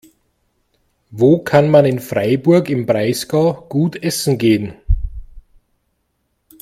Wo kann man in Freiburg im Breisgau gut essen gehen?